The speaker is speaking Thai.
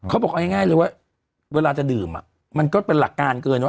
เอาไว้เลยว่าเวลาจะดื่มมันก็เป็นหลักการเกิน